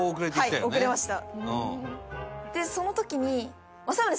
はい遅れました。